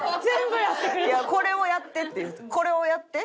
いやこれをやってっていうこれをやって。